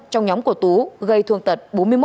trong nhóm của tú gây thương tật bốn mươi một